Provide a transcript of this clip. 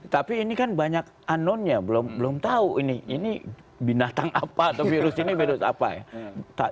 tapi ini kan banyak unknownnya belum tahu ini binatang apa atau virus ini virus apa ya